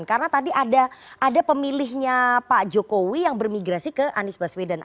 karena tadi ada pemilihnya pak jokowi yang bermigrasi ke anies baswedan